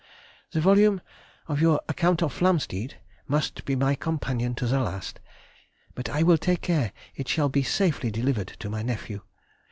The volume of your "Account of Flamsteed" must be my companion to the last, but I will take care it shall be safely delivered to my nephew.